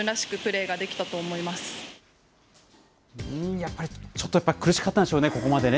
やっぱりちょっと苦しかったんでしょうね、ここまでね。